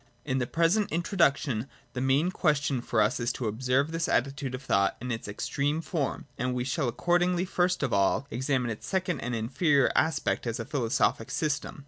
In the present in troduction the main question for us is to observe this attitude of thought in its extreme form ; and we shall accordingly first of all examine its second and inferior aspect as a philosophic system.